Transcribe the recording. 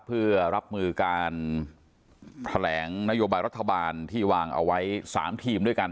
เพื่อรับมือการแถลงนโยบายรัฐบาลที่วางเอาไว้๓ทีมด้วยกัน